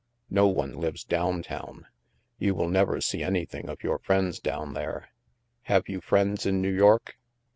No one lives down town. You will never see anything of your friends down there. Have you friends in New York?"